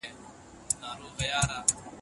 هغه د خپل علمي موقف له مخې مشوره ورکړه.